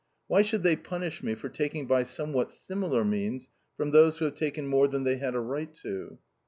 Why should they punish me for taking by somewhat similar means from those who have taken more than they had a right to?"